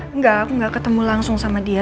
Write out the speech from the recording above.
enggak aku nggak ketemu langsung sama dia